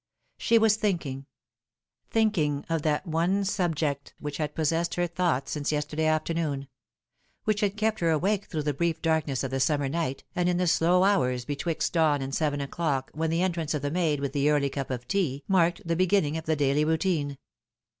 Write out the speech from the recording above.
She was thinking thinking of that one subject which had possessed her thoughts since yesterday afternoon ; which had kept her awake through the brief darkness of the summer night and in. the slow hours betwixt dawn and seven o'clock, when the entrance of the maid with the early cup of tea marked the beginning of the daily routine.